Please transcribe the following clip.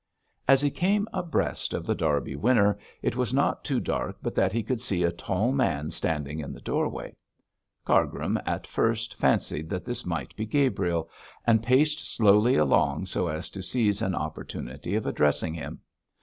As he came abreast of The Derby Winner it was not too dark but that he could see a tall man standing in the doorway. Cargrim at first fancied that this might be Gabriel, and paced slowly along so as to seize an opportunity of addressing him.